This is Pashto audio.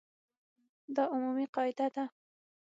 دا عمومي قاعده ده.